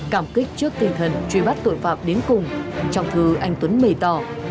cảm kích trước tinh thần truy bắt tội phạm đến cùng trong thư anh tuấn bày tỏ